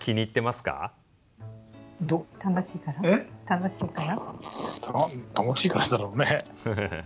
楽しいからだろうね。